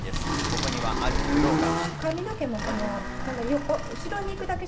ここにはある苦労が。